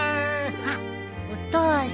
あっお父さん。